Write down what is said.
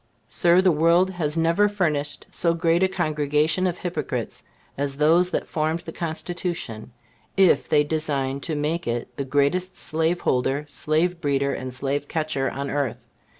Sir, the world has never furnished so great a congregation of hypocrites as those that formed the Constitution, if they designed to make it the greatest slaveholder, slave breeder and slave catcher on earth.